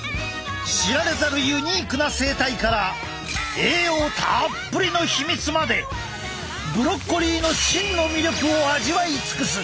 知られざるユニークな生態から栄養たっぷりの秘密までブロッコリーの真の魅力を味わい尽くす！